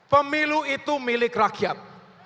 pemilu itu milik rakyat